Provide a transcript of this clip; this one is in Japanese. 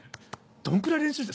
どんくらい練習した？